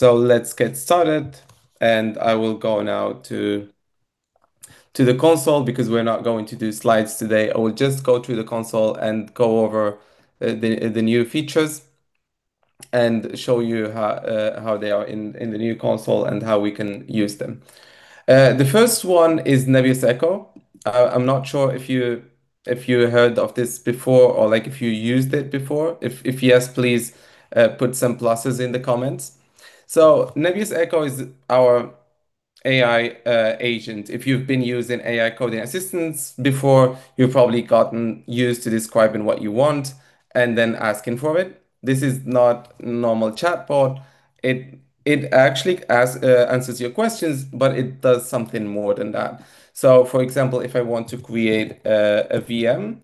Let's get started, I will go now to the console because we're not going to do slides today. I will just go to the console and go over the new features and show you how they are in the new console and how we can use them. The first one is Nebius Echo. I'm not sure if you heard of this before or if you used it before. If yes, please put some pluses in the comments. Nebius Echo is our AI agent. If you've been using AI coding assistants before, you've probably gotten used to describing what you want and then asking for it. This is not normal chatbot. It actually answers your questions, but it does something more than that. For example, if I want to create a VM,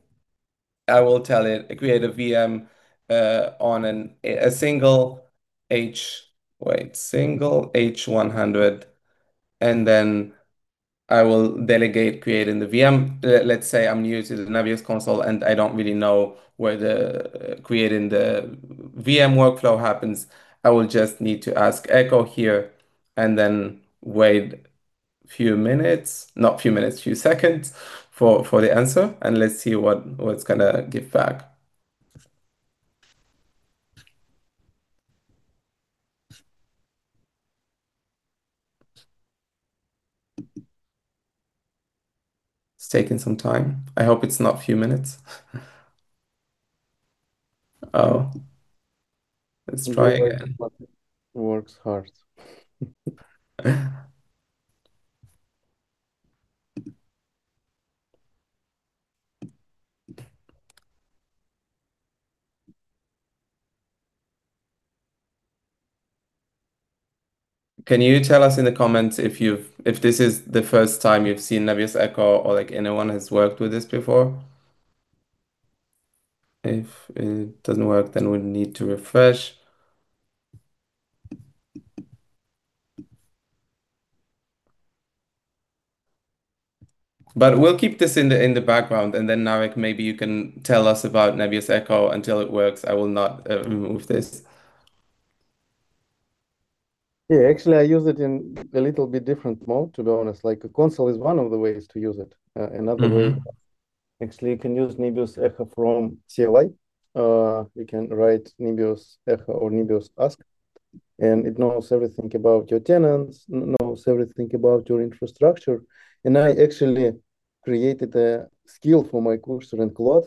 I will tell it, "Create a VM on a single H100," and then I will delegate creating the VM. Let's say I'm new to the Nebius console, and I don't really know where the creating the VM workflow happens. I will just need to ask Echo here and then wait few minutes. Not few minutes, few seconds for the answer, and let's see what it's going to give back. It's taking some time. I hope it's not a few minutes. Let's try again. Works hard. Can you tell us in the comments if this is the first time you've seen Nebius Echo, or anyone has worked with this before? If it doesn't work, we need to refresh. We'll keep this in the background and then, Narek, maybe you can tell us about Nebius Echo until it works. I will not remove this. Yeah. Actually, I use it in a little bit different mode, to be honest. A console is one of the ways to use it. Another way, actually, you can use Nebius Echo from CLI. You can write Nebius Echo or Nebius Ask, it knows everything about your tenants, knows everything about your infrastructure. I actually created a skill for my cluster in Cloud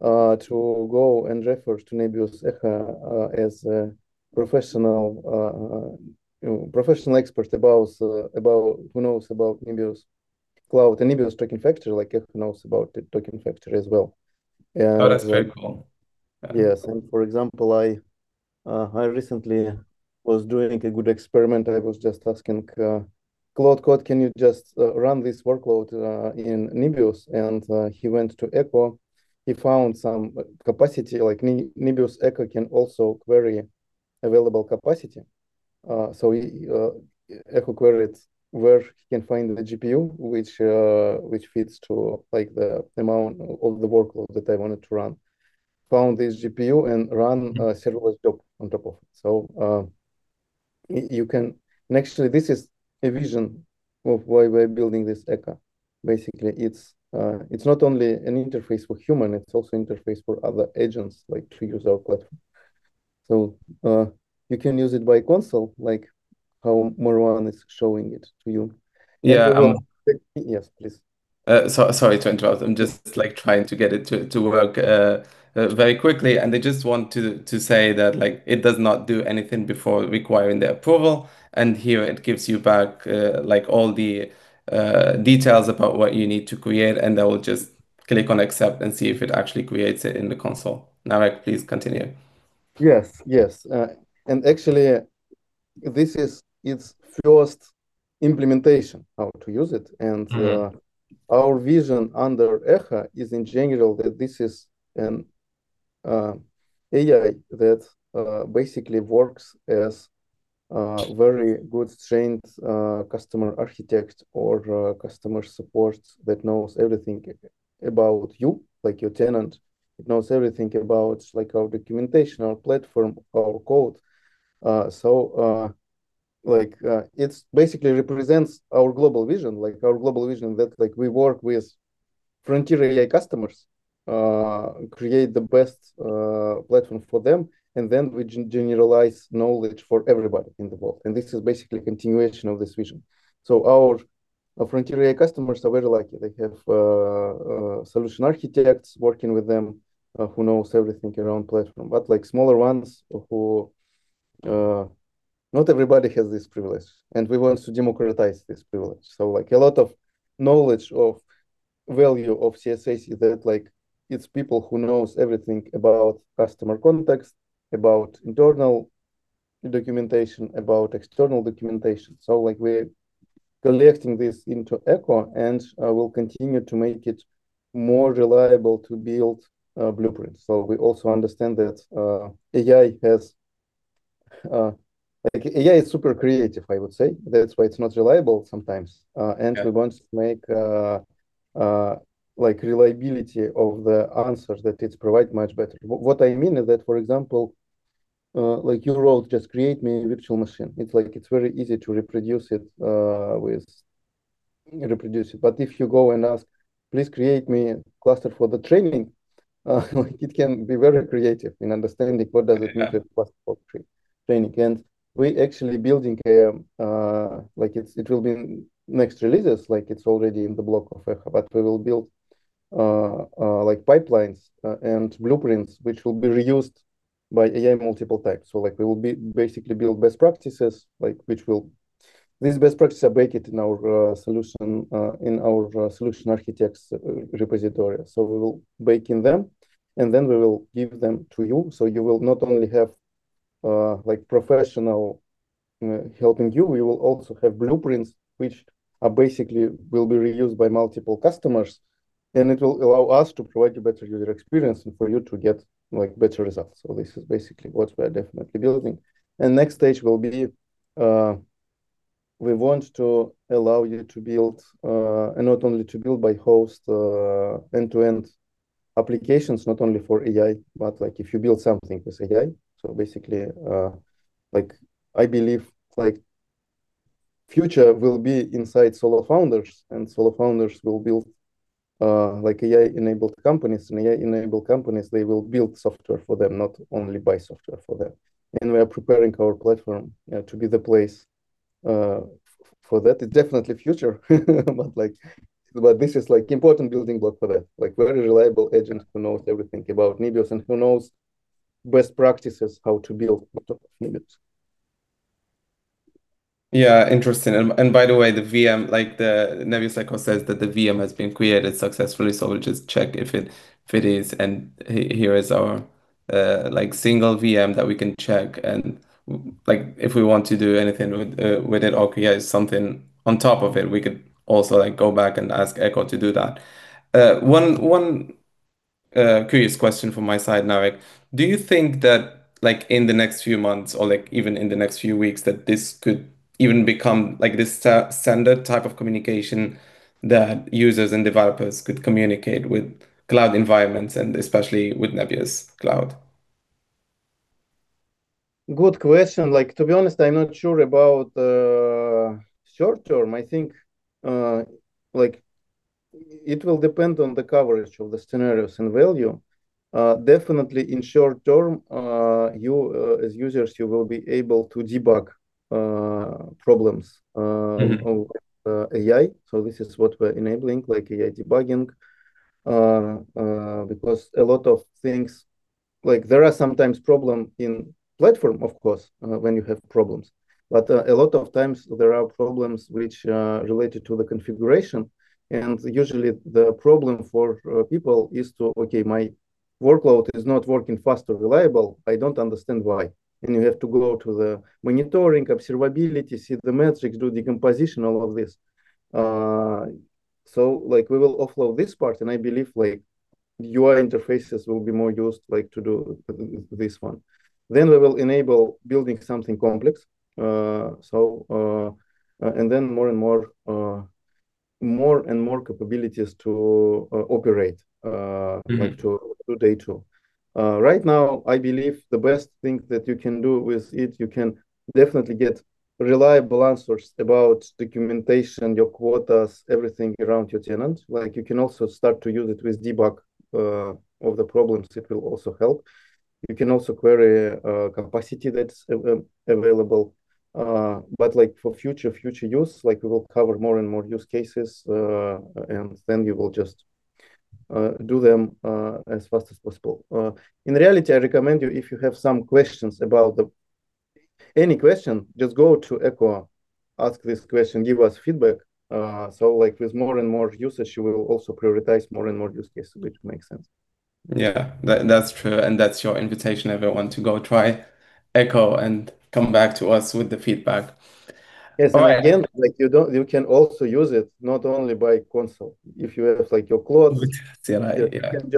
to go and refer to Nebius Echo as a professional expert who knows about Nebius Cloud and Nebius Token Factory, like Echo knows about the Token Factory as well. Yeah. Oh, that's very cool. Yes. For example, I recently was doing a good experiment. I was just asking, "Claude Code, can you just run this workload in Nebius?" He went to Echo. He found some capacity, like Nebius Echo can also query available capacity. Echo queries where he can find the GPU, which fits to the amount of the workload that I wanted to run. Found this GPU, and run a serverless job on top of it. Actually, this is a vision of why we're building this Echo. Basically, it's not only an interface for human, it's also interface for other agents, like to use our platform. You can use it by console, like how Marwan is showing it to you. Yeah. Yes, please. Sorry to interrupt. I am just trying to get it to work very quickly, I just want to say that it does not do anything before requiring the approval. Here it gives you back all the details about what you need to create, I will just click on Accept and see if it actually creates it in the console. Narek, please continue. Yes. Actually, this is its first implementation, how to use it. Our vision under Echo is, in general, that this is an AI that basically works as a very good trained customer architect or customer support that knows everything about you, like your tenant. It knows everything about our documentation, our platform, our code. It basically represents our global vision. Our global vision that we work with Frontier AI customers, create the best platform for them, we generalize knowledge for everybody in the world. This is basically continuation of this vision. Our Frontier AI customers are very lucky. They have solution architects working with them who knows everything around platform. Like smaller ones, not everybody has this privilege, we want to democratize this privilege. A lot of knowledge of value of CSA is that it is people who knows everything about customer context, about internal documentation, about external documentation. We are collecting this into Echo, we will continue to make it more reliable to build blueprints. We also understand that AI is super creative, I would say. That is why it is not reliable sometimes. We want to make reliability of the answers that it provide much better. What I mean is that, for example, you wrote, "Just create me a virtual machine." It is very easy to reproduce it. If you go and ask, "Please create me a cluster for the training," it can be very creative in understanding what does it mean a cluster for training. We are actually building, it will be next releases, it is already in the block of Echo, but we will build pipelines and blueprints which will be reused by AI multiple times. We will basically build best practices. These best practices are baked in our solution architects repository. We will bake in them, we will give them to you will not only have professional helping you, we will also have blueprints, which basically will be reused by multiple customers, it will allow us to provide a better user experience and for you to get better results. This is basically what we are definitely building. Next stage will be, we want to allow you to build, not only to build by host end-to-end applications, not only for AI, but if you build something with AI. Basically, I believe future will be inside solo founders. Solo founders will build AI-enabled companies. AI-enabled companies, they will build software for them, not only buy software for them. We are preparing our platform to be the place for that. It is definitely future. This is important building block for that. Very reliable agent who knows everything about Nebius and who knows best practices how to build on top of Nebius. Yeah, interesting. By the way, the VM, Nebius Echo says that the VM has been created successfully. We will just check if it is. Here is our single VM that we can check. If we want to do anything with it, or create something on top of it, we could also go back and ask Echo to do that. One curious question from my side, Narek. Do you think that in the next few months or even in the next few weeks, that this could even become this standard type of communication that users and developers could communicate with cloud environments and especially with Nebius Cloud? Good question. To be honest, I am not sure about short-term. I think it will depend on the coverage of the scenarios and value. Definitely in short-term, you as users, you will be able to debug problems of AI. This is what we are enabling, AI debugging, because a lot of things, there are sometimes problem in platform, of course, when you have problems. A lot of times there are problems which are related to the configuration, and usually the problem for people is to, okay, my workload is not working fast or reliable. I don't understand why. You have to go to the monitoring, observability, see the metrics, do decomposition, all of this. We will offload this part. I believe UI interfaces will be more used to do this one. We will enable building something complex. Then more and more capabilities to operate- to day two. Right now, I believe the best thing that you can do with it, you can definitely get reliable answers about documentation, your quotas, everything around your tenant. You can also start to use it with debug of the problems. It will also help. You can also query capacity that is available. For future use, we will cover more and more use cases. Then we will just do them as fast as possible. In reality, I recommend you, if you have some questions about any question, just go to Echo, ask this question, give us feedback. With more and more usage, we will also prioritize more and more use cases, which makes sense. Yeah. That's true, that's your invitation, everyone, to go try Echo and come back to us with the feedback. Yes. Again, you can also use it not only by console. If you have your Claude. With CLI. You can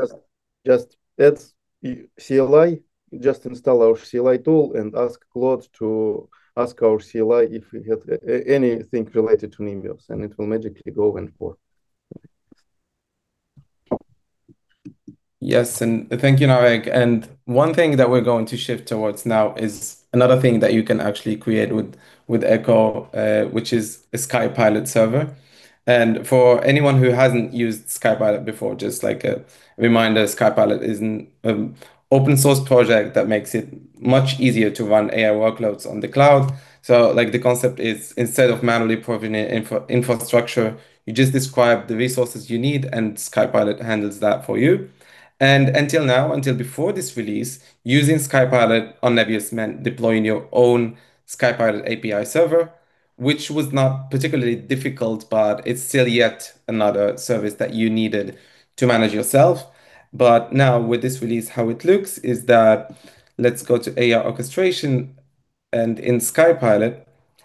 just add CLI, just install our CLI tool and ask Claude to ask our CLI if we had anything related to Nebius, it will magically go and forth. Yes, thank you, Narek. One thing that we're going to shift towards now is another thing that you can actually create with Echo, which is a SkyPilot server. For anyone who hasn't used SkyPilot before, just a reminder, SkyPilot is an open source project that makes it much easier to run AI workloads on the cloud. The concept is instead of manually provisioning infrastructure, you just describe the resources you need, and SkyPilot handles that for you. Until now, until before this release, using SkyPilot on Nebius meant deploying your own SkyPilot API server, which was not particularly difficult, but it's still yet another service that you needed to manage yourself. Now with this release, how it looks is that let's go to AI orchestration, and in SkyPilot,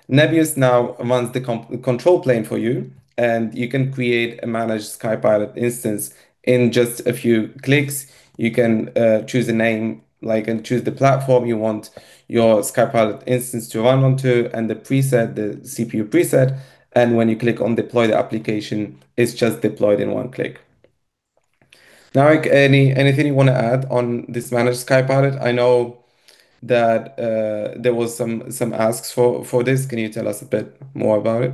Nebius now mounts the control plane for you, and you can create a managed SkyPilot instance in just a few clicks. You can choose a name, and choose the platform you want your SkyPilot instance to run onto, and the preset, the CPU preset, and when you click on deploy the application, it's just deployed in one click. Narek, anything you want to add on this managed SkyPilot? I know that there was some asks for this. Can you tell us a bit more about it?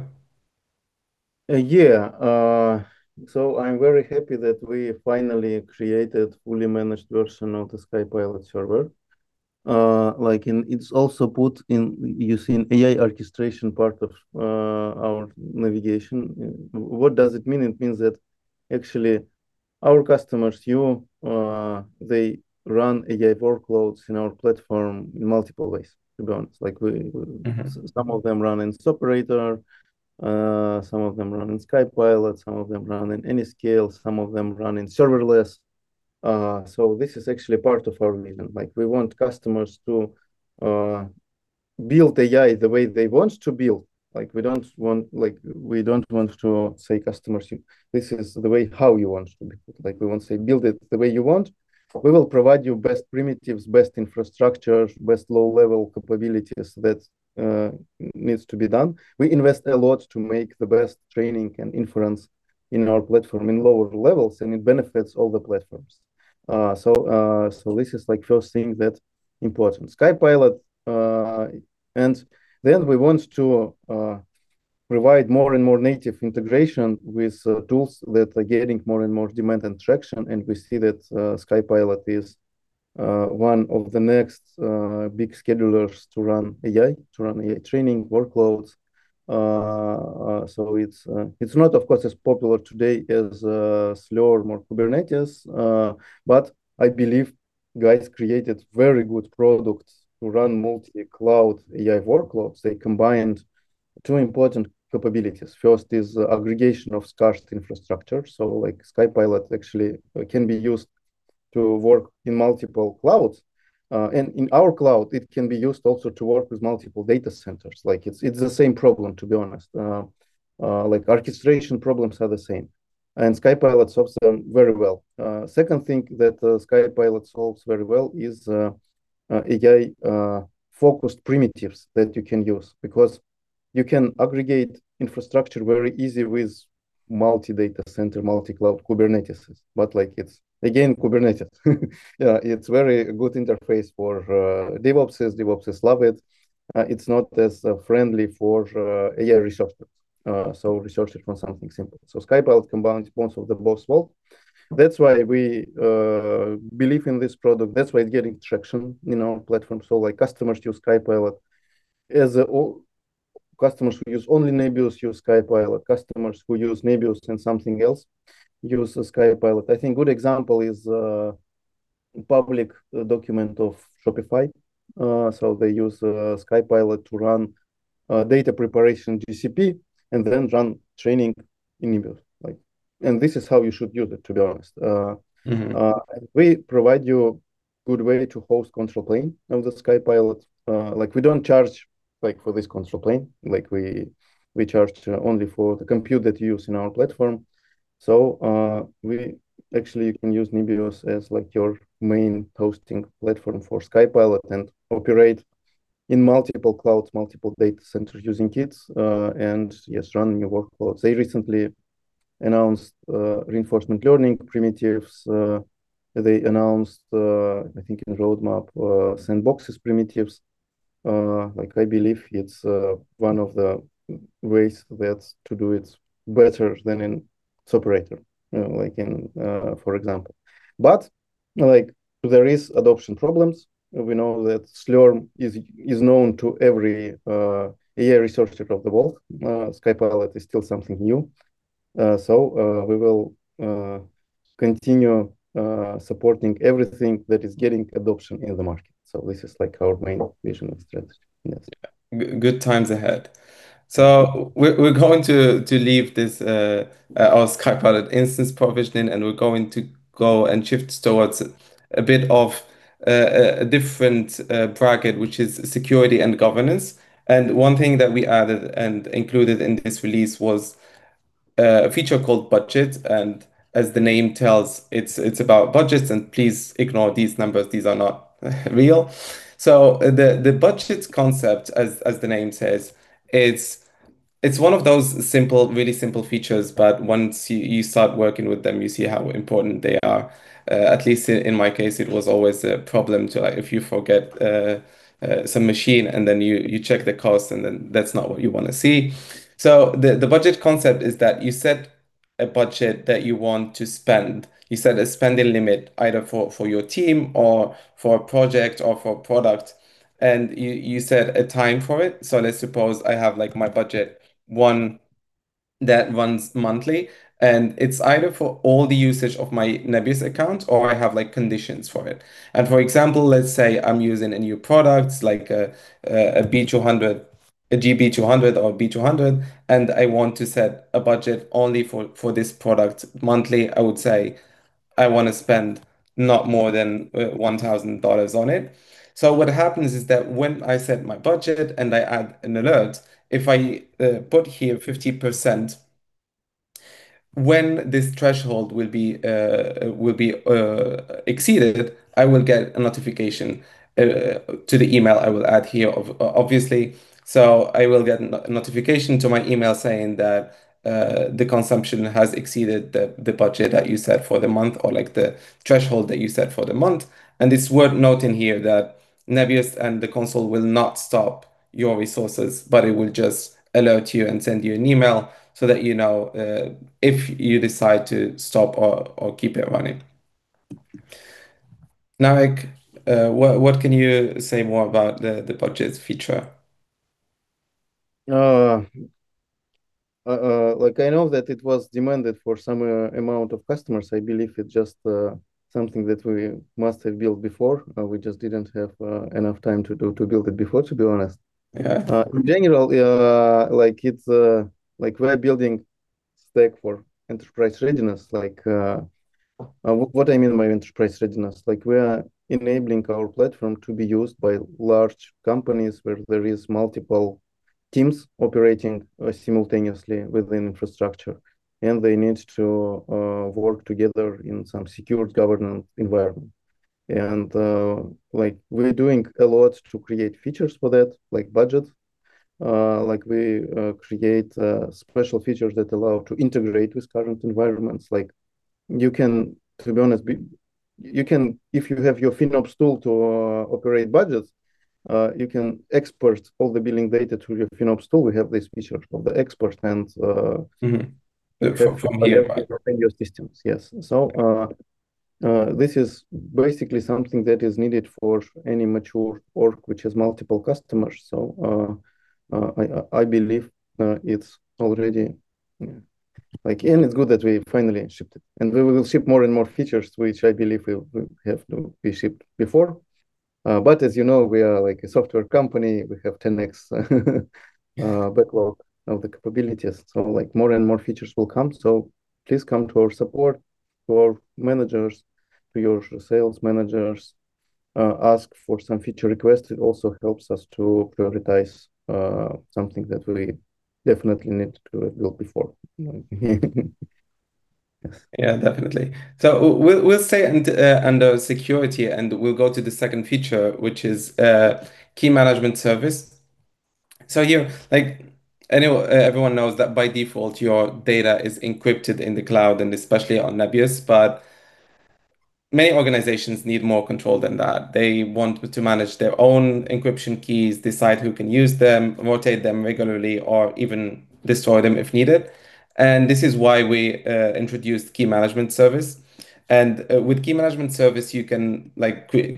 Yeah. I'm very happy that we finally created fully managed version of the SkyPilot server. It's also put in using AI orchestration part of our navigation. What does it mean? It means that actually our customers, you, they run AI workloads in our platform in multiple ways, to be honest. Some of them run in Separator, some of them run in SkyPilot, some of them run in Anyscale, some of them run in Serverless. This is actually part of our vision. We want customers to build AI the way they want to build. We don't want to say, "Customers, this is the way how you want to build it." We want to say, "Build it the way you want. We will provide you best primitives, best infrastructure, best low-level capabilities that needs to be done." We invest a lot to make the best training and inference in our platform in lower levels, and it benefits all the platforms. This is first thing that's important. SkyPilot. We want to provide more and more native integration with tools that are getting more and more demand and traction. We see that SkyPilot is one of the next big schedulers to run AI, to run AI training workloads. It's not, of course, as popular today as Slurm or Kubernetes, but I believe guys created very good products to run multi-cloud AI workloads. They combined two important capabilities. First is aggregation of scarce infrastructure. SkyPilot actually can be used to work in multiple clouds. In our cloud, it can be used also to work with multiple data centers. It's the same problem, to be honest. Orchestration problems are the same, and SkyPilot solves them very well. Second thing that SkyPilot solves very well is AI-focused primitives that you can use, because you can aggregate infrastructure very easy with multi-data center, multi-cloud Kubernetes. It's again, Kubernetes. It's very good interface for DevOps. DevOps love it. It's not as friendly for AI researchers, so researchers want something simple. SkyPilot combines points of them both world. That's why we believe in this product. That's why it's getting traction in our platform. Customers use SkyPilot as all Customers who use only Nebius use SkyPilot. Customers who use Nebius and something else use SkyPilot. I think good example is public document of Shopify. They use SkyPilot to run data preparation GCP and then run training in Nebius. This is how you should use it, to be honest. We provide you a good way to host control plane on the SkyPilot. We don't charge for this control plane. We charge only for the compute that you use in our platform. Actually, you can use Nebius as your main hosting platform for SkyPilot and operate in multiple clouds, multiple data centers using kits, and yes, running your workloads. They recently announced reinforcement learning primitives. They announced, I think in roadmap, sandboxes primitives. I believe it's one of the ways to do it better than in Separator, for example. There is adoption problems. We know that Slurm is known to every AI researcher of the world. SkyPilot is still something new. We will continue supporting everything that is getting adoption in the market. This is our main vision and strategy. Yes. Good times ahead. We're going to leave this our SkyPilot instance provisioning, and we're going to go and shift towards a bit of a different bracket, which is security and governance. One thing that we added and included in this release was a feature called Budget. As the name tells, it's about budgets. Please ignore these numbers, these are not real. The budget concept, as the name says, it's one of those really simple features, but once you start working with them, you see how important they are. At least in my case, it was always a problem if you forget some machine, and then you check the cost, and then that's not what you want to see. The budget concept is that you set a budget that you want to spend. You set a spending limit either for your team, or for a project, or for a product, and you set a time for it. Let's suppose I have my budget, one that runs monthly, and it's either for all the usage of my Nebius account, or I have conditions for it. For example, let's say I'm using a new product, like a GB200 or a B200, and I want to set a budget only for this product monthly. I would say I want to spend not more than $1,000 on it. What happens is that when I set my budget and I add an alert, if I put here 50%, when this threshold will be exceeded, I will get a notification to the email I will add here, obviously. I will get a notification to my email saying that the consumption has exceeded the budget that you set for the month, or the threshold that you set for the month. It's worth noting here that Nebius and the console will not stop your resources, but it will just alert you and send you an email so that you know if you decide to stop or keep it running. Narek, what can you say more about the budget feature? I know that it was demanded for some amount of customers. I believe it's just something that we must have built before. We just didn't have enough time to build it before, to be honest. Yeah. In general, we're building stack for enterprise readiness. What I mean by enterprise readiness, we are enabling our platform to be used by large companies where there is multiple teams operating simultaneously within infrastructure, and they need to work together in some secured governance environment. We're doing a lot to create features for that, like budget. We create special features that allow to integrate with current environments. To be honest, if you have your FinOps tool to operate budgets, you can export all the billing data to your FinOps tool. We have this feature for the export and- From Nebius Your systems. Yes. This is basically something that is needed for any mature org which has multiple customers. I believe it is already in. It is good that we finally shipped it. We will ship more and more features, which I believe we have to be shipped before. As you know, we are a software company. We have 10X backlog of the capabilities. More and more features will come. Please come to our support, to our managers, to your sales managers, ask for some feature requests. It also helps us to prioritize something that we definitely need to build before. Yes. Yeah, definitely. We will stay under security, and we will go to the second feature, which is Key Management Service. Everyone knows that by default, your data is encrypted in the cloud, and especially on Nebius, but many organizations need more control than that. They want to manage their own encryption keys, decide who can use them, rotate them regularly, or even destroy them if needed. This is why we introduced Key Management Service. With Key Management Service, you can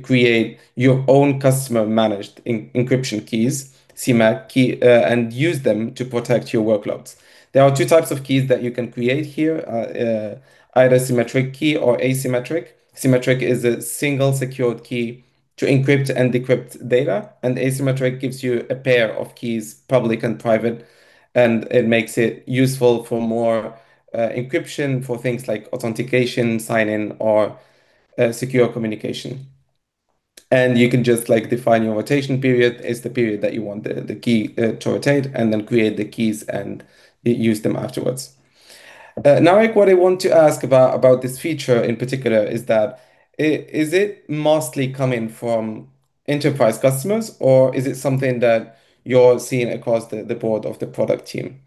create your own customer managed encryption keys, CMEK, and use them to protect your workloads. There are two types of keys that you can create here, either symmetric key or asymmetric. Symmetric is a single secured key to encrypt and decrypt data, and asymmetric gives you a pair of keys, public and private, and it makes it useful for more encryption for things like authentication, sign-in, or secure communication. You can just define your rotation period. It is the period that you want the key to rotate, and then create the keys and use them afterwards. Narek, what I want to ask about this feature in particular is that, is it mostly coming from enterprise customers, or is it something that you are seeing across the board of the product team?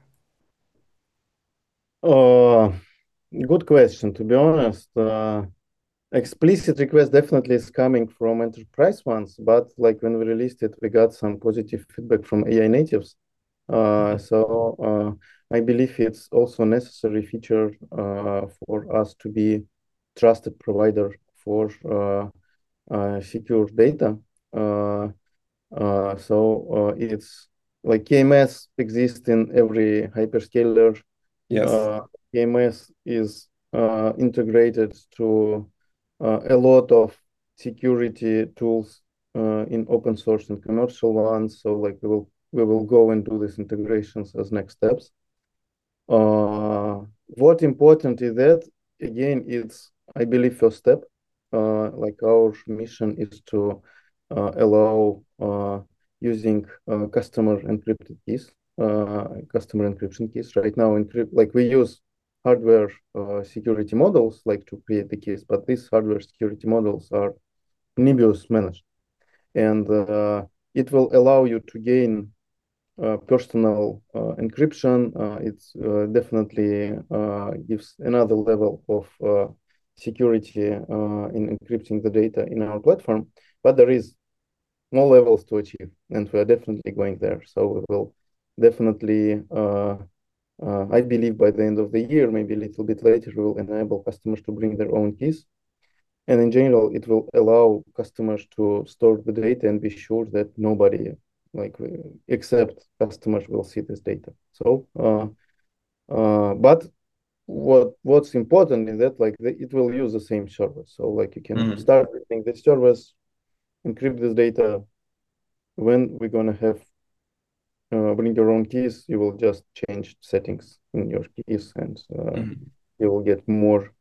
Good question. To be honest, explicit request definitely is coming from enterprise ones, but when we released it, we got some positive feedback from AI natives. I believe it's also necessary feature for us to be trusted provider for secure data. It's KMS exist in every hyperscaler. Yes. KMS is integrated to a lot of security tools in open source and commercial ones. We will go and do these integrations as next steps. What important is that, again, it's, I believe, first step. Our mission is to allow using customer encryption keys. Right now, we use hardware security modules to create the keys, but these hardware security modules are Nebius managed, and it will allow you to gain personal encryption. It definitely gives another level of security in encrypting the data in our platform. There is more levels to achieve, and we are definitely going there. We will definitely, I believe by the end of the year, maybe a little bit later, we will enable customers to bring their own keys. In general, it will allow customers to store the data and be sure that nobody except customers will see this data. What's important is that it will use the same service. You can start using this service, encrypt this data. When we're going to have bring your own keys, you will just change settings in your keys. You will get more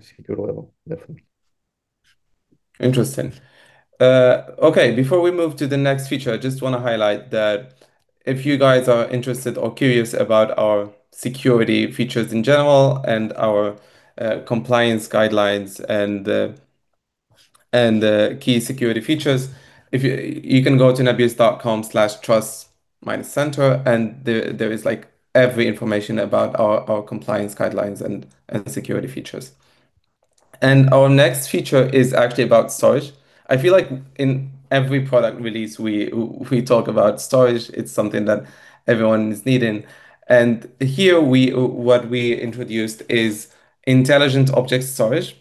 secure level, definitely. Interesting. Okay, before we move to the next feature, I just want to highlight that if you guys are interested or curious about our security features in general and our compliance guidelines and the key security features, you can go to nebius.com/trust-center and there is every information about our compliance guidelines and security features. Our next feature is actually about storage. I feel like in every product release we talk about storage. It's something that everyone is needing. Here, what we introduced is intelligent object storage.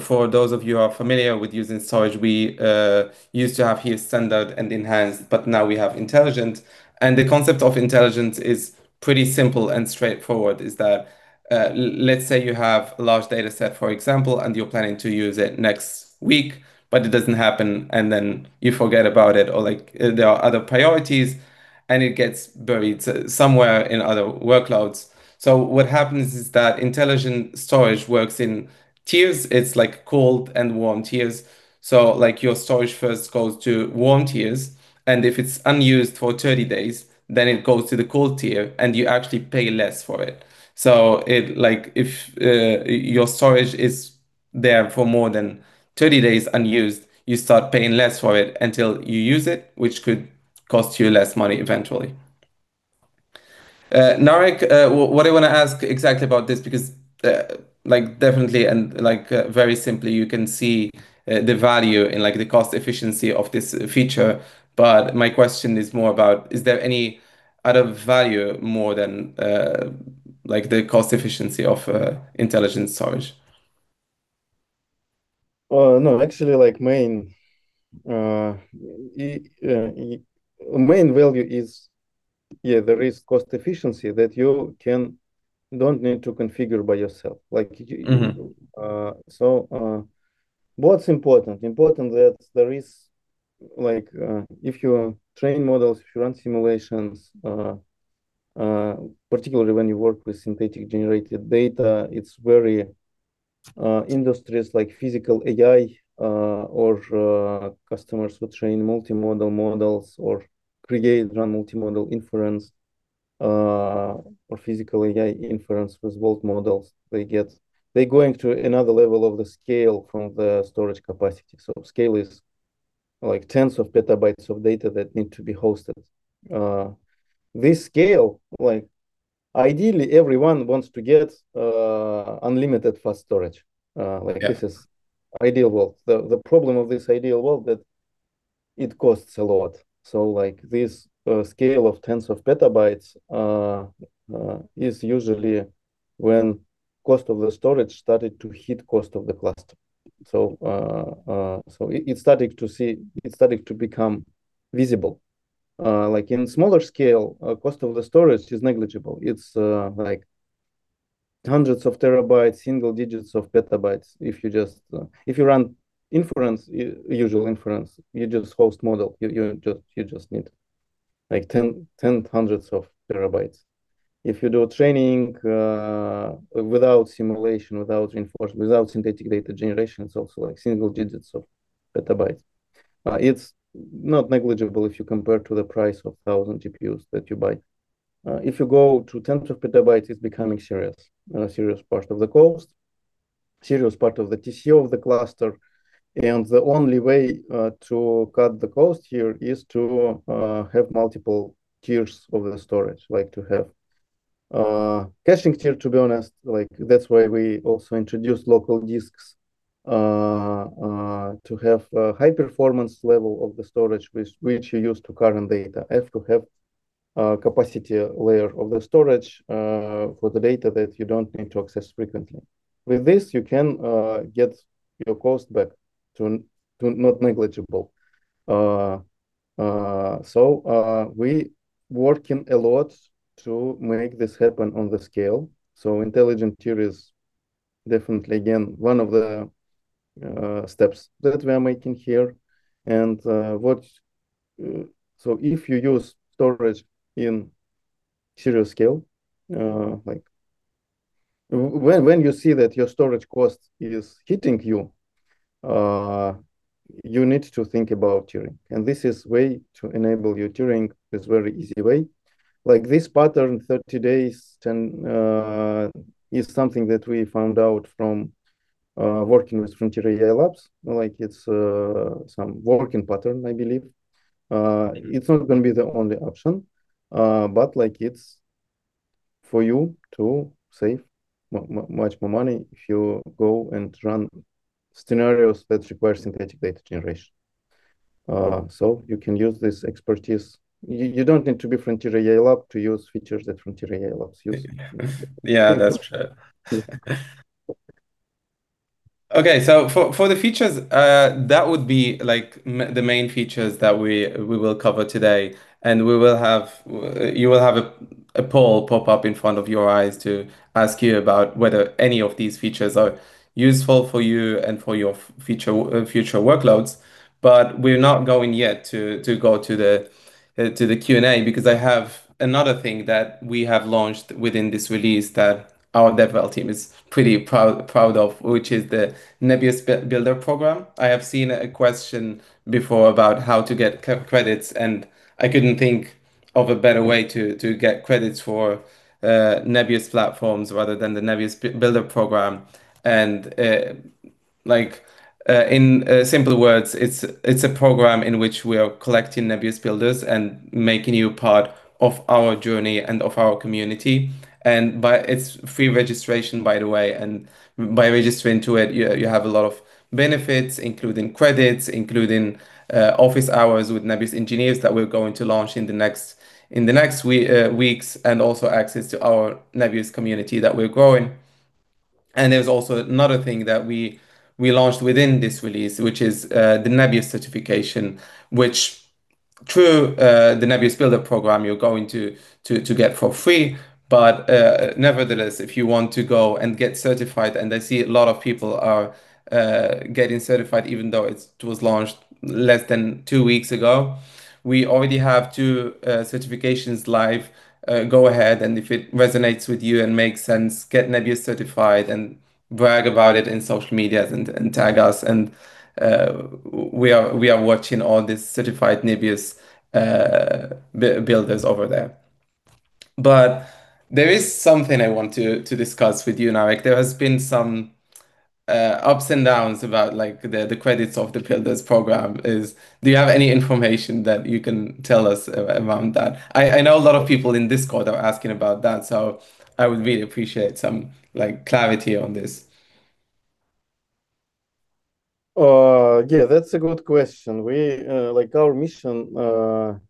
For those of you who are familiar with using storage, we used to have here standard and enhanced, but now we have intelligent. The concept of intelligent is pretty simple and straightforward, is that let's say you have a large data set, for example, and you're planning to use it next week, but it doesn't happen, then you forget about it, or there are other priorities, and it gets buried somewhere in other workloads. What happens is that intelligent storage works in tiers. It's like cold and warm tiers. Your storage first goes to warm tiers, and if it's unused for 30 days, then it goes to the cold tier and you actually pay less for it. If your storage is there for more than 30 days unused, you start paying less for it until you use it, which could cost you less money eventually. Narek, what I want to ask exactly about this, because definitely and very simply, you can see the value in the cost efficiency of this feature. My question is more about is there any added value more than the cost efficiency of intelligent storage? No, actually main value is, there is cost efficiency that you don't need to configure by yourself. What's important? Important that if you train models, if you run simulations, particularly when you work with synthetic generated data, industries like physical AI, or customers who train multimodal models or create, run multimodal inference, or physical AI inference with both models they get, they're going to another level of the scale from the storage capacity. Scale is tens of petabytes of data that need to be hosted. This scale, ideally, everyone wants to get unlimited fast storage. Yeah. This is ideal world. The problem of this ideal world that it costs a lot. This scale of tens of petabytes is usually when cost of the storage started to hit cost of the cluster. It started to become visible. In smaller scale, cost of the storage is negligible. It's hundreds of terabytes, single digits of petabytes. If you run inference, usual inference, you just host model. You just need 1,000 TB. If you do training without simulation, without reinforcement, without synthetic data generation, it's also single digits of petabytes. It's not negligible if you compare to the price of 1,000 GPUs that you buy. If you go to tens of petabytes, it's becoming serious, a serious part of the cost, serious part of the TCO of the cluster. The only way to cut the cost here is to have multiple tiers of the storage. To have caching tier, to be honest, that's why we also introduced local disks to have a high performance level of the storage, which you use to current data. To have capacity layer of the storage for the data that you don't need to access frequently. With this, you can get your cost back to not negligible. We working a lot to make this happen on the scale. Intelligent tier is definitely, again, one of the steps that we are making here. If you use storage in serious scale, when you see that your storage cost is hitting you need to think about tiering. This is way to enable your tiering is very easy way. This pattern 30 days is something that we found out from working with Frontier AI Labs. It's some working pattern, I believe. It's not going to be the only option, but it's for you to save much more money if you go and run scenarios that require synthetic data generation. You can use this expertise. You don't need to be Frontier AI Lab to use features that Frontier AI Labs use. That's true. For the features, that would be the main features that we will cover today. You will have a poll pop up in front of your eyes to ask you about whether any of these features are useful for you and for your future workloads. We're not going yet to go to the Q&A because I have another thing that we have launched within this release that our dev rel team is pretty proud of, which is the Nebius Builder Program. I have seen a question before about how to get credits. I couldn't think of a better way to get credits for Nebius platforms rather than the Nebius Builder Program. In simple words, it's a program in which we are collecting Nebius Builders and making you part of our journey and of our community. It's free registration, by the way. By registering to it, you have a lot of benefits, including credits, including office hours with Nebius engineers that we're going to launch in the next weeks, and also access to our Nebius community that we're growing. There's also another thing that we launched within this release, which is the Nebius certification, which through the Nebius Builder Program, you're going to get for free. Nevertheless, if you want to go and get certified, I see a lot of people are getting certified even though it was launched less than two weeks ago. We already have two certifications live. Go ahead. If it resonates with you and makes sense, get Nebius certified and brag about it in social medias and tag us. We are watching all these certified Nebius Builders over there. There is something I want to discuss with you, Narek. There has been some ups and downs about the credits of the Builders Program. Do you have any information that you can tell us around that? I know a lot of people in Discord are asking about that. I would really appreciate some clarity on this. That's a good question. Our mission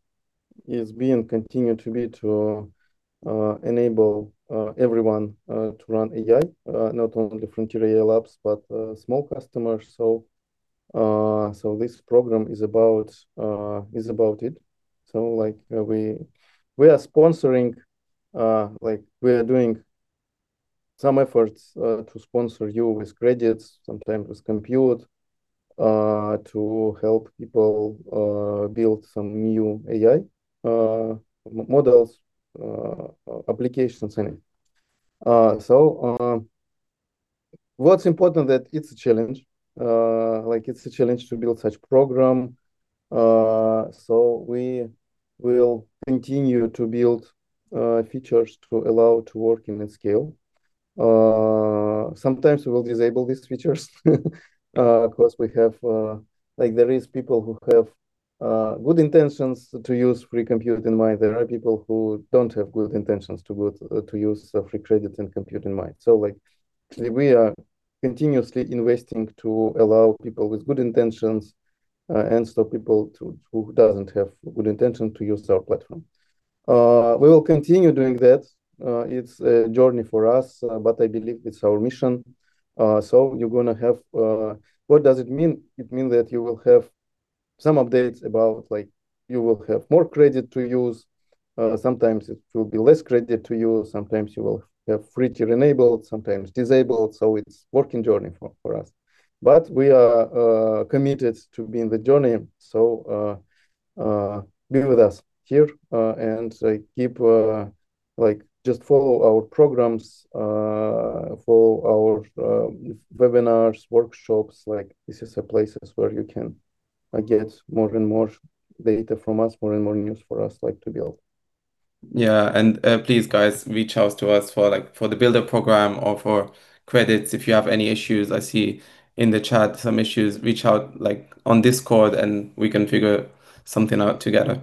is being, continue to be, to enable everyone to run AI, not only Frontier AI Labs, but small customers. This program is about it. We are doing some efforts to sponsor you with credits, sometimes with compute, to help people build some new AI models, applications, anything. What's important that it's a challenge. It's a challenge to build such program. We will continue to build features to allow to work in a scale. Sometimes we will disable these features because there is people who have good intentions to use free compute in mind. There are people who don't have good intentions to use free credit and compute in mind. Actually, we are continuously investing to allow people with good intentions and stop people who doesn't have good intention to use our platform. We will continue doing that. It's a journey for us, but I believe it's our mission. What does it mean? It means that you will have some updates about you will have more credit to use. Sometimes it will be less credit to you. Sometimes you will have free tier enabled, sometimes disabled. It's work in journey for us. We are committed to be in the journey, so be with us here, and just follow our programs, follow our webinars, workshops. These are places where you can get more and more data from us, more and more news for us to build. Yeah. Please, guys, reach out to us for the Builder Program or for credits if you have any issues. I see in the chat some issues. Reach out on Discord, and we can figure something out together.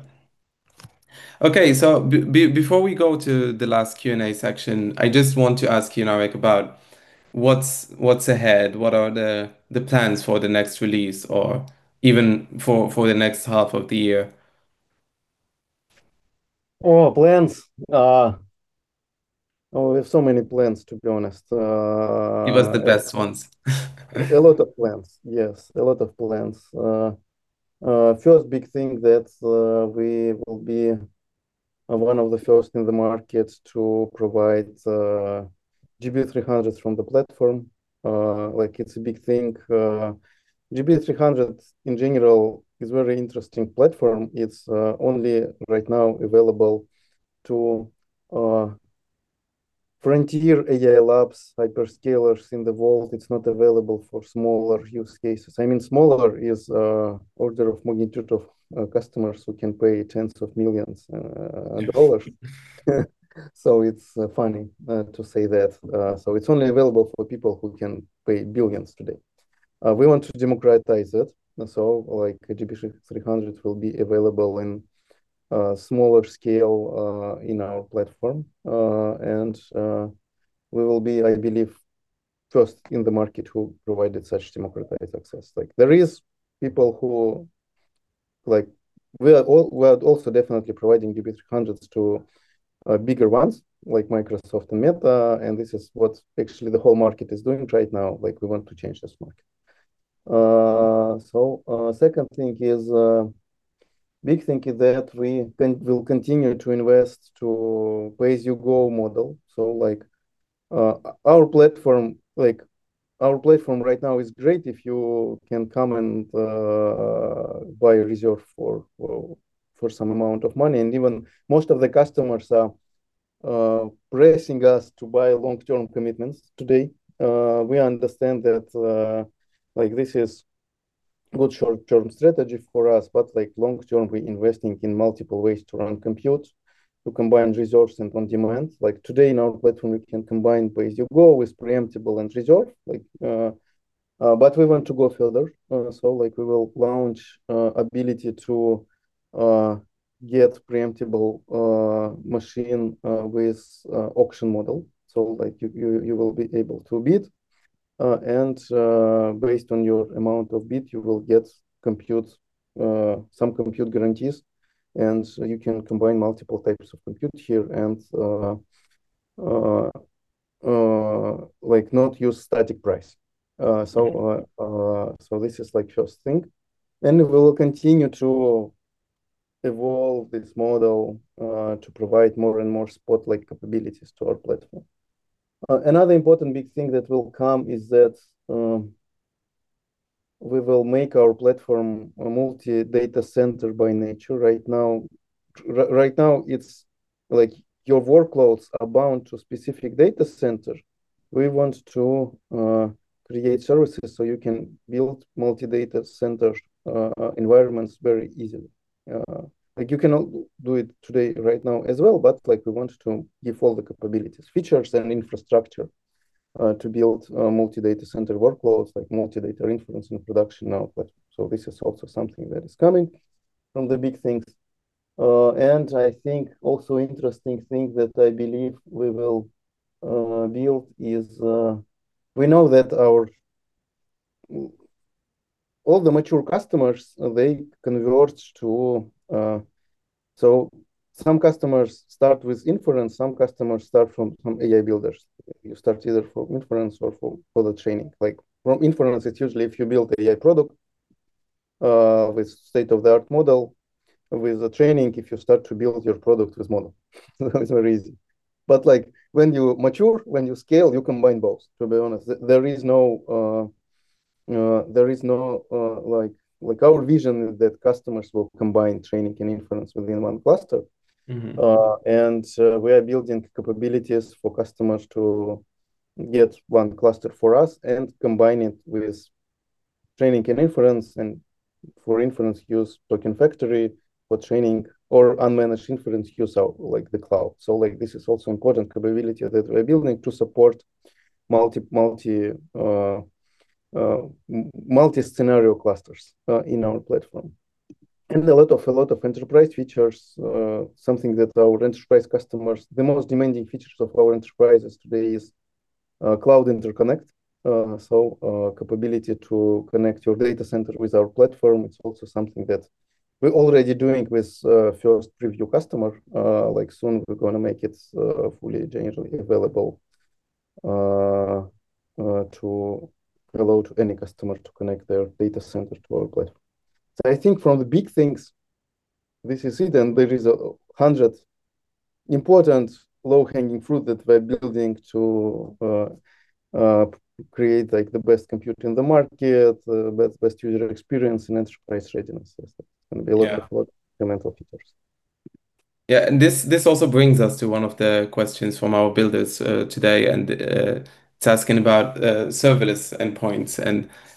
Before we go to the last Q&A section, I just want to ask you, Narek, about what's ahead. What are the plans for the next release or even for the next half of the year? Plans. We have so many plans, to be honest. Give us the best ones. A lot of plans. Yes, a lot of plans. First big thing that we will be one of the first in the market to provide GB300 from the platform. It's a big thing. GB300 in general is very interesting platform. It's only right now available to Frontier AI Labs, hyperscalers in the world. It's not available for smaller use cases. I mean, smaller is order of magnitude of customers who can pay tens of millions of dollars. It's funny to say that. It's only available for people who can pay $ billions today. We want to democratize it. GB300 will be available in smaller scale in our platform. We will be, I believe, first in the market who provided such democratized access. We are also definitely providing GB300 to bigger ones like Microsoft and Meta. This is what actually the whole market is doing right now. We want to change this market. Second thing is, big thing is that we will continue to invest to pay-as-you-go model. Our platform right now is great if you can come and buy a reserve for some amount of money. Even most of the customers are pressing us to buy long-term commitments today. We understand that this is good short-term strategy for us. Long-term, we're investing in multiple ways to run compute, to combine resources and on-demand. Like today in our platform, we can combine pay-as-you-go with preemptible and reserve. We want to go further. We will launch ability to get preemptible machine with auction model. You will be able to bid. Based on your amount of bid, you will get some compute guarantees. You can combine multiple types of compute here and not use static price. This is first thing. We will continue to evolve this model to provide more and more spot-like capabilities to our platform. Another important big thing that will come is that we will make our platform a multi-data-center by nature. Right now, it's like your workloads are bound to specific data center. We want to create services. You can build multi-data-center environments very easily. You can do it today right now as well. We want to give all the capabilities, features, and infrastructure to build multi-data-center workloads, like multi-data inference and production output. This is also something that is coming from the big things. I think also interesting thing that I believe we will build is we know that all the mature customers. Some customers start with inference, some customers start from AI builders. You start either from inference or for the training. From inference, it's usually if you build AI product with state-of-the-art model. With the training, if you start to build your product with model. It's very easy. When you mature, when you scale, you combine both, to be honest. Our vision is that customers will combine training and inference within one cluster. We are building capabilities for customers to get one cluster for us and combine it with training and inference, and for inference use Token Factory, for training or unmanaged inference use the cloud. This is also important capability that we are building to support multi-scenario clusters in our platform. A lot of enterprise features, something that our enterprise customers, the most demanding features of our enterprises today is cloud interconnect. Capability to connect your data center with our platform. It is also something that we are already doing with first preview customer. Soon we are going to make it fully generally available to allow any customer to connect their data center to our platform. I think from the big things, this is it, and there is 100 important low-hanging fruit that we are building to create the best compute in the market, best user experience in enterprise readiness systems. build- Yeah a lot of fundamental features. Yeah. This also brings us to one of the questions from our builders today, and it is asking about Serverless endpoints.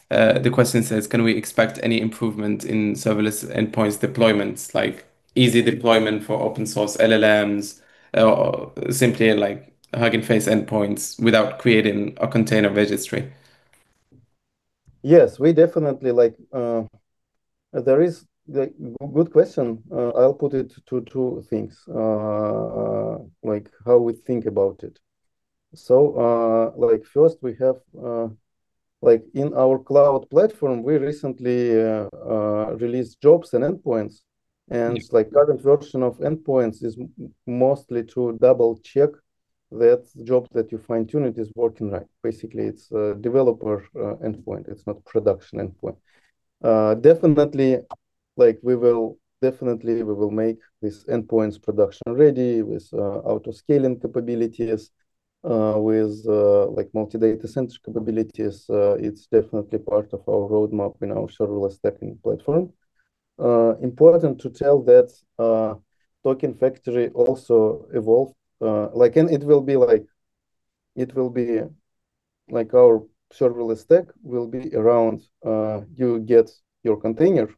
The question says: Can we expect any improvement in Serverless endpoints deployments, like easy deployment for open source LLMs or simply like Hugging Face endpoints without creating a container registry? Yes. Good question. I'll put it to two things, how we think about it. First, in our cloud platform, we recently released jobs and endpoints. Current version of endpoints is mostly to double check that job that you fine-tune it is working right. Basically, it's a developer endpoint, it's not production endpoint. Definitely, we will make these endpoints production ready with auto-scaling capabilities, with multi-data center capabilities. It's definitely part of our roadmap in our serverless tech platform. Important to tell that Token Factory also evolved. Our serverless tech will be around you get your container,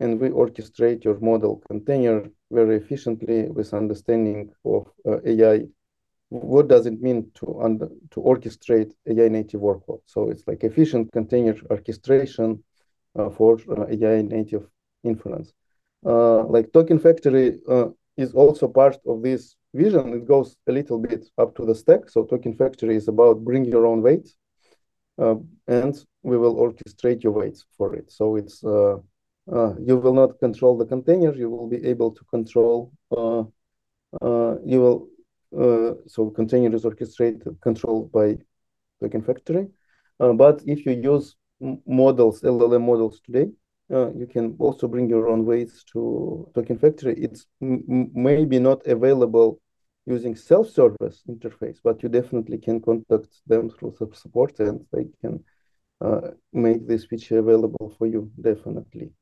and we orchestrate your model container very efficiently with understanding of AI. What does it mean to orchestrate AI native workload? It's like efficient container orchestration for AI native inference. Token Factory is also part of this vision. It goes a little bit up to the stack. Token Factory is about bring your own weights, and we will orchestrate your weights for it. You will not control the containers. Containers orchestrated, controlled by Token Factory. If you use LLM models today, you can also bring your own weights to Token Factory. It's maybe not available using self-service interface, but you definitely can contact them through support, and they can make this feature available for you, definitely.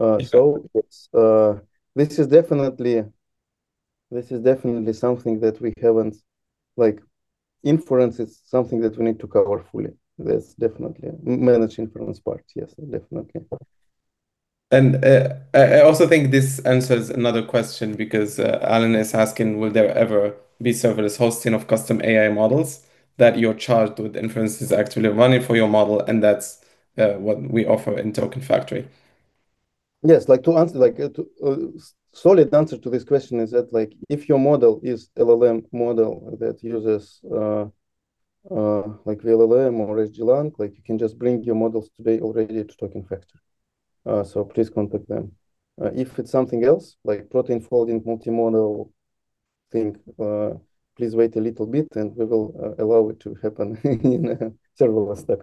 Exactly. This is definitely something that we haven't. Inference is something that we need to cover fully. That's definitely manage inference part. Yes, definitely. I also think this answers another question because Alan is asking, will there ever be serverless hosting of custom AI models that you're charged with inferences actually running for your model, and that's what we offer in Token Factory. Yes, solid answer to this question is that if your model is LLM model that uses vLLM or SGLang, you can just bring your models today already to Token Factory. Please contact them. If it's something else, like protein folding, multimodal thing, please wait a little bit and we will allow it to happen in Serverless stack.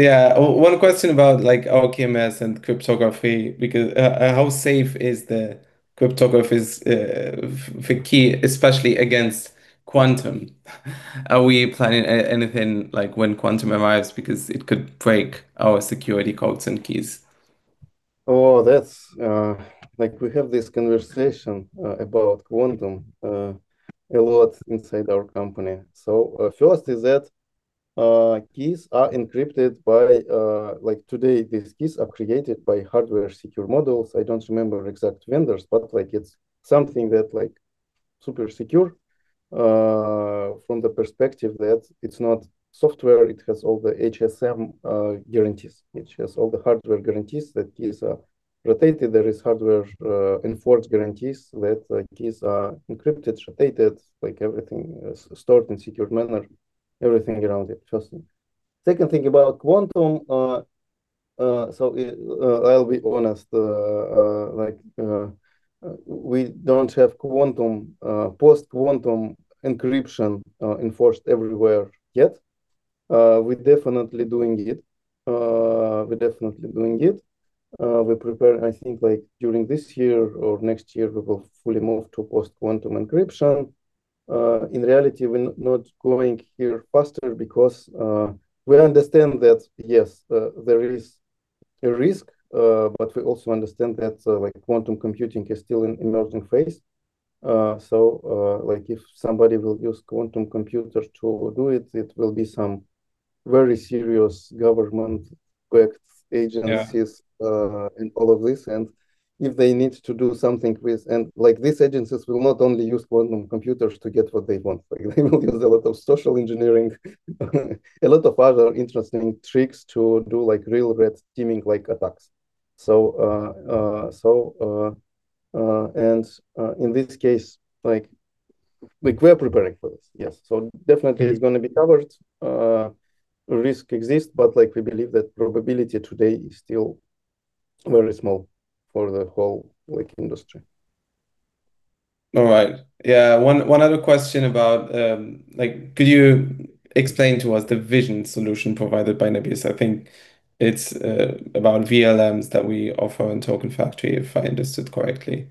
Yeah. Yeah. One question about KMS and cryptography, how safe is the cryptography's key, especially against quantum? Are we planning anything when quantum arrives because it could break our security codes and keys? We have this conversation about quantum a lot inside our company. First is that, today these keys are created by hardware security modules. I don't remember exact vendors, but it's something that super secure from the perspective that it's not software. It has all the HSM guarantees. It has all the hardware guarantees that keys are rotated. There is hardware enforced guarantees that keys are encrypted, rotated, everything is stored in secured manner, everything around it. Second thing about quantum, I'll be honest, we don't have post-quantum encryption enforced everywhere yet. We're definitely doing it. We prepare, I think, during this year or next year, we will fully move to post-quantum encryption. In reality, we're not going here faster because we understand that, yes, there is a risk, but we also understand that quantum computing is still in emerging phase. If somebody will use quantum computer to do it will be some very serious government, quacks, agencies. Yeah All of this. If they need to do something with like these agencies will not only use quantum computers to get what they want. They will use a lot of social engineering, a lot of other interesting tricks to do real red teaming-like attacks. In this case, we are preparing for this. Yes. Definitely it's going to be covered. Risk exists, but we believe that probability today is still very small for the whole industry. All right. Yeah. One other question about, could you explain to us the vision solution provided by Nebius? I think it's about VLMs that we offer in Token Factory, if I understood correctly.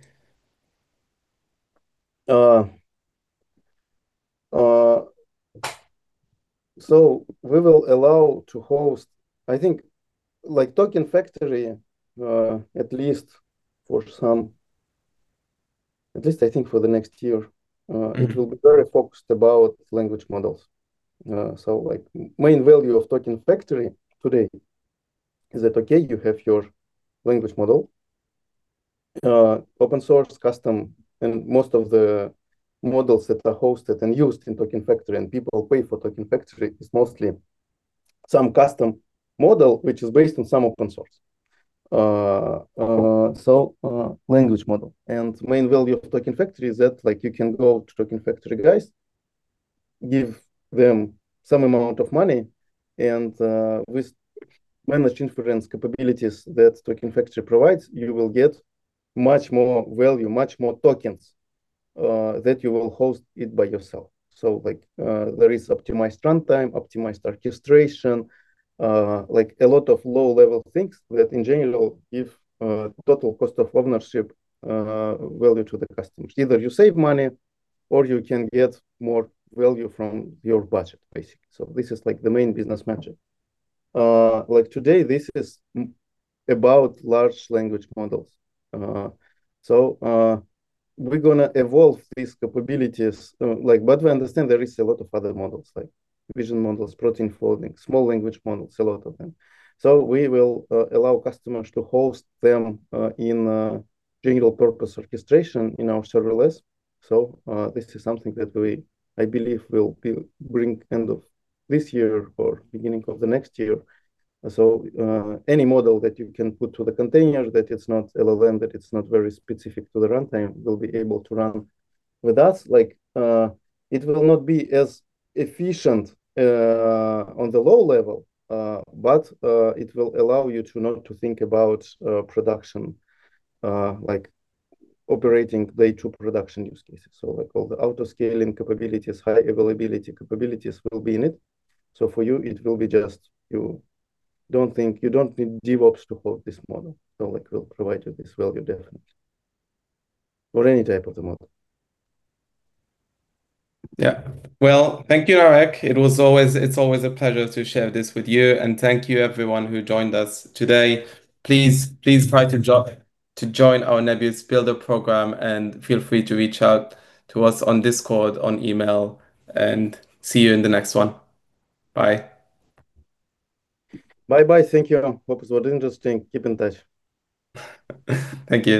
We will allow to host, I think Token Factory, at least I think for the next year, it will be very focused about language models. Main value of Token Factory today is that, okay, you have your language model, open source, custom, and most of the models that are hosted and used in Token Factory and people pay for Token Factory is mostly some custom model, which is based on some open source. Language model and main value of Token Factory is that you can go to Token Factory guys, give them some amount of money and, with managed inference capabilities that Token Factory provides, you will get much more value, much more tokens, that you will host it by yourself. There is optimized runtime, optimized orchestration, a lot of low-level things that in general give total cost of ownership value to the customers. Either you save money or you can get more value from your budget, basically. This is the main business metric. Today this is about large language models. We're gonna evolve these capabilities, but we understand there is a lot of other models like vision models, protein folding, small language models, a lot of them. We will allow customers to host them in general purpose orchestration in our serverless. This is something that we, I believe, will bring end of this year or beginning of the next year. Any model that you can put to the container that it's not LLM, that it's not very specific to the runtime, will be able to run with us. It will not be as efficient on the low level but it will allow you to not to think about production, operating day two production use cases. All the auto-scaling capabilities, high availability capabilities will be in it. For you, it will be just you don't need DevOps to hold this model. We'll provide you this value, definitely. For any type of the model. Yeah. Well, thank you, Narek. It's always a pleasure to share this with you, and thank you everyone who joined us today. Please try to join our Nebius Builder Program and feel free to reach out to us on Discord, on email, and see you in the next one. Bye. Bye bye. Thank you, all. What interesting. Keep in touch. Thank you.